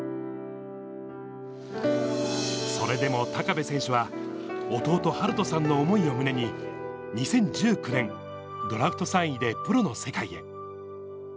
それでも高部選手は、弟、晴斗さんの思いを胸に、２０１９年、ドラフト３位でプロの世界へ。